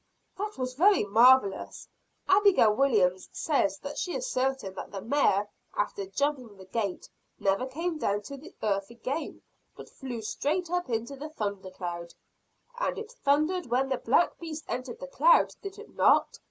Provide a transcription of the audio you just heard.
"That was very marvelous. Abigail Williams says that she is certain that the mare, after jumping the gate, never came down to earth again, but flew straight on up into the thundercloud." "And it thundered when the black beast entered the cloud, did it not?"